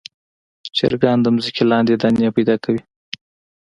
چرګان د ځمکې لاندې دانې پیدا کوي.